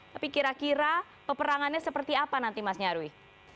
tapi kira kira peperangannya seperti apa nanti mas nyarwi